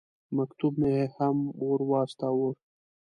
مکتوب مې هم ور واستاوه.